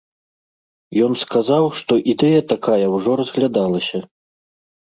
Ён сказаў, што ідэя такая ўжо разглядалася.